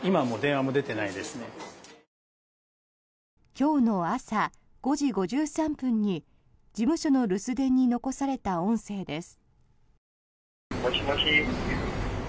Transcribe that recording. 今日の朝５時５３分に事務所の留守電に残された音声です。